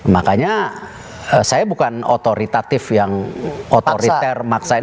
makanya saya bukan otoritatif yang otoriter maksain